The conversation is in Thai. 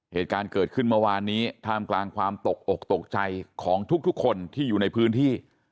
เหตุการณ์เกิดขึ้นเมื่อวานนี้ท่ามกลางความตกอกตกใจของทุกคนที่อยู่ในพื้นที่